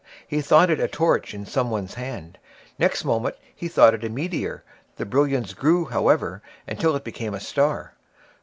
He thought it a torch in some one's hand; next moment he thought it a meteor; the brilliance grew, however, until it became a star.